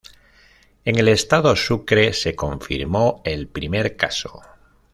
En el Estado Sucre se confirmó el primer caso.